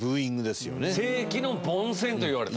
世紀の凡戦といわれた？